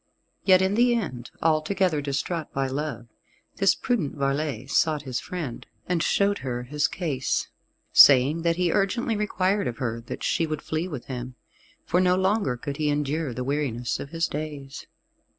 Yet in the end, altogether distraught by love, this prudent varlet sought his friend, and showed her his case, saying that he urgently required of her that she would flee with him, for no longer could he endure the weariness of his days.